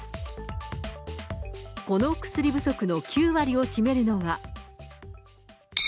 この薬不足の９割を占めるのが。